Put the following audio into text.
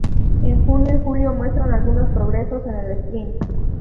En junio y julio muestra algunos progresos en el sprint.